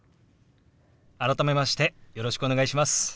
改めましてよろしくお願いします。